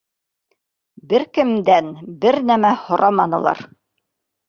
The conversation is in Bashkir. Бер кемдән бер нәмә һораманылар.